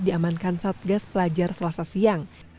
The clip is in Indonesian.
diamankan satgas pelajar selasa siang